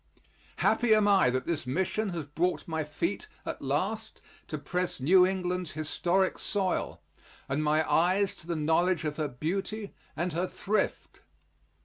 Happy am I that this mission has brought my feet at last to press New England's historic soil and my eyes to the knowledge of her beauty and her thrift.